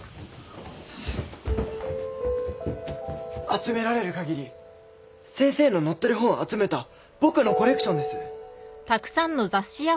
集められる限り先生の載ってる本集めた僕のコレクションです。